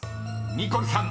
ニコルさん］